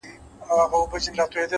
علم د عقل روښانتیا ده.!